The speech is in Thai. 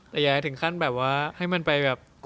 แต่อย่าให้ถึงขั้นแบบว่าให้มันไปแบบ